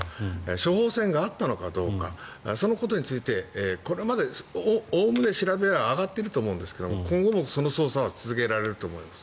処方せんがあったのかどうかそのことについてこれまでおおむね調べは上がっていると思いますが今後も、その捜査は続けられると思います。